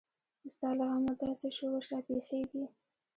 ستا له غمه داسې شورش راپېښیږي.